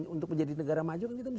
untuk menjadi negara maju kita harus